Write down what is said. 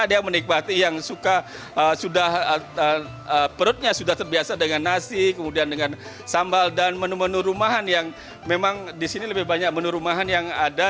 dia menikmati yang suka sudah perutnya sudah terbiasa dengan nasi kemudian dengan sambal dan menu menu rumahan yang memang disini lebih banyak menu rumahan yang ada